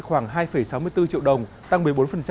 khoảng hai sáu mươi bốn triệu đồng tăng một mươi bốn